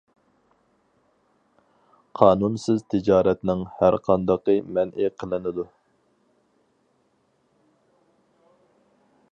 قانۇنسىز تىجارەتنىڭ ھەر قاندىقى مەنئى قىلىنىدۇ.